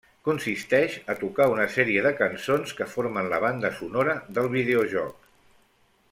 Consisteix a tocar una sèrie de cançons que formen la banda sonora del videojoc.